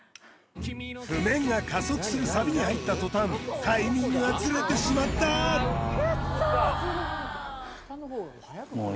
譜面が加速するサビに入った途端タイミングがズレてしまったクッソー